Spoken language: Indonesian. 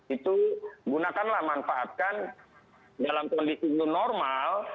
itu gunakanlah manfaatkan dalam kondisi new normal